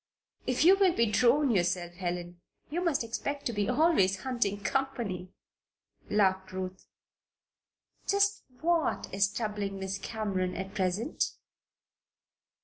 "If you will be a drone yourself, Helen, you must expect to be always hunting company," laughed Ruth. "Just what is troubling Miss Cameron at present?"